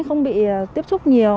không bị tiếp xúc nhiều